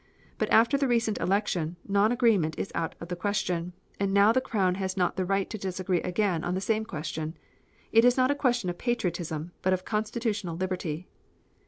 But after the recent election, non agreement is out of the question, and now the Crown has not the right to disagree again on the same question. It is not a question of patriotism but of constitutional liberty."